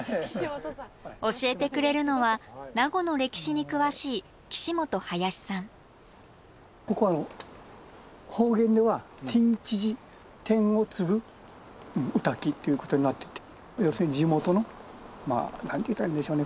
教えてくれるのは名護の歴史に詳しいここ方言では「テンチジ」天を継ぐ御嶽っていうことになってて要するに地元の何て言ったらいいんでしょうね。